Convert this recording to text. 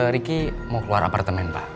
riki mau keluar apartemen pak